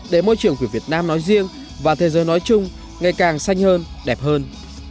để môi trường của việt nam nói riêng và thế giới nói chung ngày càng xanh hơn đẹp hơn